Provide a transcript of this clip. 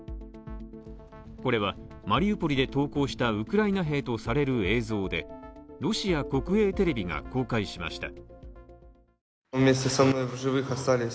これは、マリウポリで投降したウクライナ兵とされる映像でロシア国営テレビが公開しました。